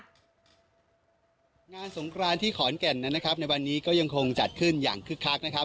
งานสงครานที่ขอนแก่นนั้นนะครับในวันนี้ก็ยังคงจัดขึ้นอย่างคึกคักนะครับ